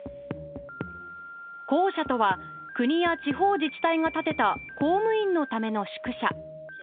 公舎とは、国や地方自治体が建てた、公務員のための宿舎。